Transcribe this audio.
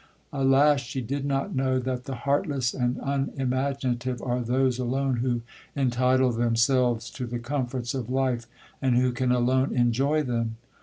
—Alas! she did not know, that the heartless and unimaginative are those alone who entitle themselves to the comforts of life, and who can alone enjoy them.